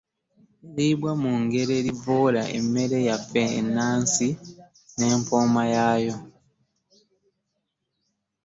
Eriibwa mu ngeri ezivvoola emmere yaffe ennansi n’empooma yaayo.